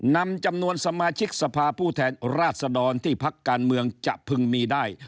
นำจำนวนสมาชิกสภาผู้แทนราชดรที่พักการเมืองจะพึงมีได้